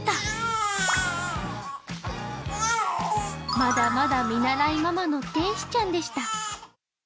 まだまだ見習いままの天使ちゃんでした。